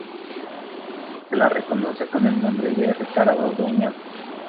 Se la reconoce con el nombre de "Ricardo Dueña".